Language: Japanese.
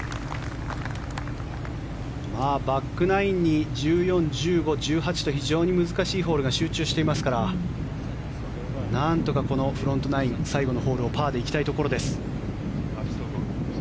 バックナインに１４、１５、１８と非常に難しいホールが集中していますからなんとかフロントナイン最後のホールをパーで行きたいところです。